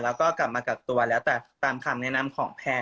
แล้วก็กลับมากักตัวแล้วแต่ตามคำแนะนำของแพทย์